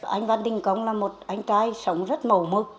anh văn đình công là một anh trai sống rất mẫu mực